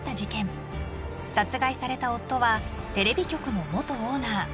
［殺害された夫はテレビ局の元オーナー］